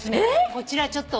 こちらちょっと。